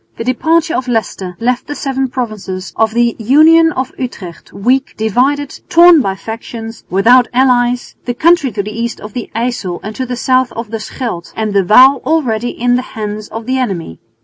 The departure of Leicester left the seven provinces of the Union of Utrecht weak, divided, torn by factions, without allies, the country to the east of the Yssel and to the south of the Scheldt and the Waal already in the hands of the enemy.